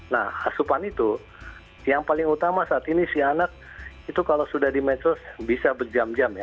nah asupan itu yang paling utama saat ini si anak itu kalau sudah di medsos bisa berjam jam ya